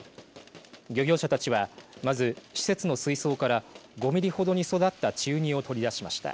漁業者たちは、まず施設の水槽から５ミリほどに育った稚ウニを取り出しました。